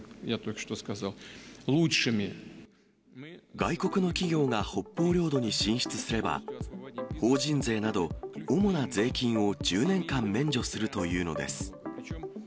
外国の企業が北方領土に進出すれば、法人税など主な税金を１０年間免除するというのです。